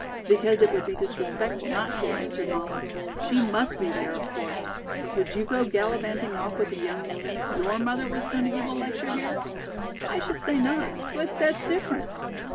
"Because it would be disrespectful not to," answered Molly. "She must be there, of course. Would you go gallivanting off with a young man if your mother was going to give a lecture here?" "I should say not; but that's different."